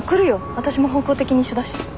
わたしも方向的に一緒だし。